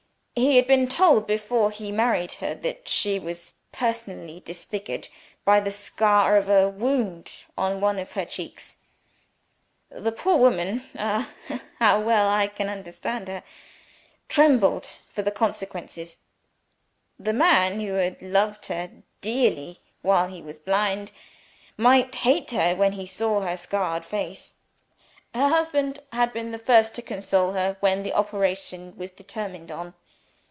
He had been told, before he married her, that she was personally disfigured by the scar of a wound on one of her cheeks. The poor woman ah, how well I can understand her! trembled for the consequences. The man who had loved her dearly while he was blind, might hate her when he saw her scarred face. Her husband had been the first to console her when the operation was determined on.